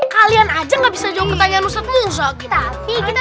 kalian aja gak bisa jawab pertanyaan ustadzmu usah gitu